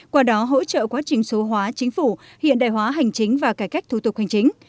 qua đó hỗ trợ quá trình số hóa chính phủ hiện đại hóa hành chính và cải cách thủ tục hành chính